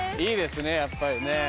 いいですねやっぱりね。